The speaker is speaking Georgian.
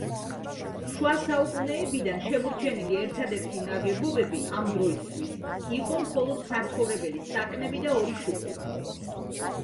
შუა საუკუნეებიდან შემორჩენილი ერთადერთი ნაგებობები ამ დროისთვის იყო მხოლოდ საცხოვრებელი საკნები და ორი შუქურა.